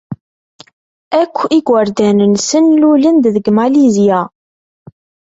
Akk igerdan-nsen lulen-d deg Malizya.